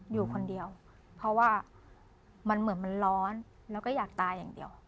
อยู่คนเดียวเพราะว่ามันเหมือนมันร้อนแล้วก็อยากตายอย่างเดียว